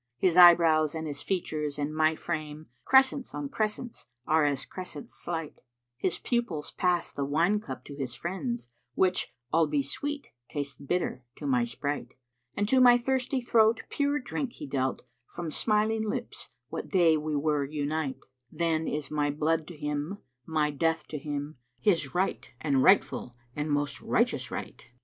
His eyebrows and his features and my frame[FN#470] * Crescents on crescents are as crescents slight: His pupils pass the wine cup to his friends * Which, albe sweet, tastes bitter to my sprite; And to my thirsty throat pure drink he dealt * From smiling lips what day we were unite: Then is my blood to him, my death to him * His right and rightful and most righteous right."